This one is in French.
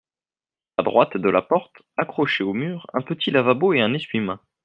À droite de la porte, accrochés au mur, un petit lavabo et un essuie-mains.